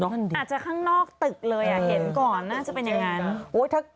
อาจจะข้างนอกตึกเลยอ่ะเห็นก่อนน่าจะเป็นอย่างนั้น